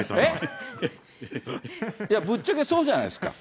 いや、ぶっちゃけそうじゃないですか。